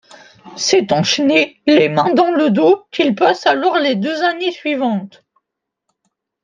C’est enchaîné, les mains dans le dos, qu’il passe alors les deux années suivantes.